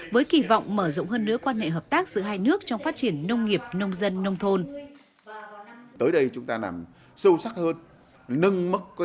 với kỳ vọng mở rộng hơn nữa quan hệ hợp tác giữa hai nước trong phát triển nông nghiệp nông dân nông thôn